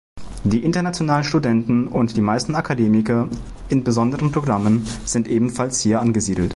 Die internationalen Studenten und die meisten Akademiker in besonderen Programmen sind ebenfalls hier angesiedelt.